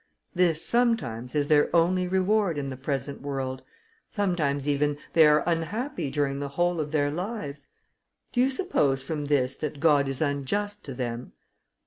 This, sometimes, is their only reward in the present world; sometimes, even, they are unhappy during the whole of their lives: do you suppose from this that God is unjust to them?"